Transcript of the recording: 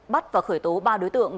bắt và khởi tố ba đối tượng